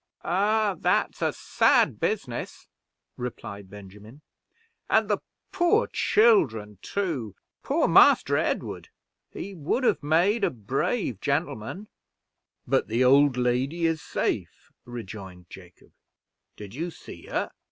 "Ah, that's a sad business," replied Benjamin, "and the poor children, too. Poor Master Edward! he would have made a brave gentleman." "But the old lady is safe," rejoined Jacob. "Did you see her?"